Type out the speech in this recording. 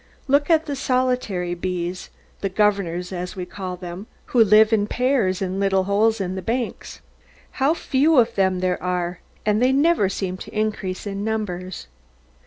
Look at the solitary bees the governors as we call them, who live in pairs, in little holes in the banks. How few of them there are; and they never seem to increase in numbers.